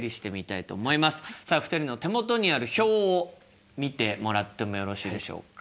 さあ２人の手元にある表を見てもらってもよろしいでしょうか。